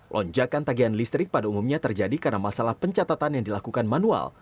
lonjakan tagihan listrik pada umumnya terjadi karena masalah pencatatan yang dilakukan manual